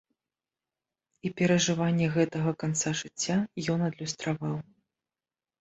І перажыванне гэтага канца жыцця ён адлюстраваў.